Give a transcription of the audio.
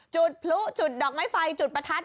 จุดพลุจุดดอกไม้ไฟจุดประทัด